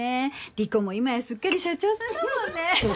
理子も今やすっかり社長さんだもんね。